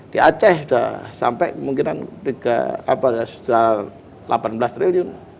di aceh sudah sampai mungkin delapan belas triliun